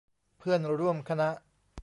เพื่อนร่วมคณะ